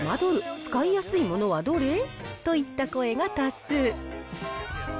使いやすいものはどれ？といった声が多数。